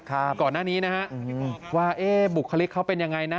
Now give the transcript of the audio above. ครับก่อนหน้านี้นะฮะว่าบุคลิกเขาเป็นอย่างไรนะ